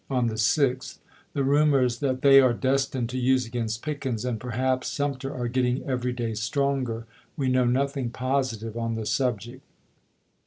On the 6th: "The rumors that they are destined to use against Pickens, and perhaps Sumter, are getting every ibid.,^^^ day stronger. We know nothing positive on the subject."